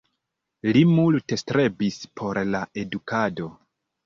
Li multe strebis por la edukado.